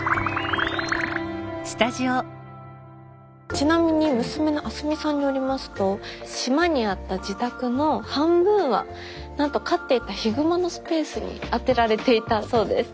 ちなみに娘の明日美さんによりますと島にあった自宅の半分はなんと飼っていたヒグマのスペースに充てられていたそうです。